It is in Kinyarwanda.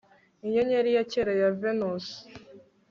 Inyenyeri ya kera ya Venusi